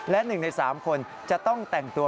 และ๑ใน๓คนจะต้องแต่งตัว